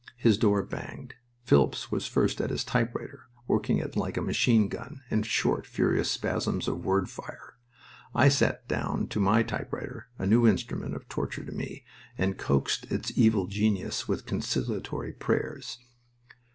His door banged. Phillips was first at his typewriter, working it like a machine gun, in short, furious spasms of word fire. I sat down to my typewriter a new instrument of torture to me and coaxed its evil genius with conciliatory prayers.